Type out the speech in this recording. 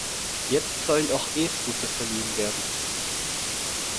Jetzt sollen auch E-Scooter verliehen werden.